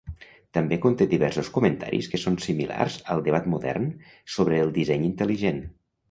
També conté diversos comentaris que són similars al debat modern sobre el disseny intel·ligent.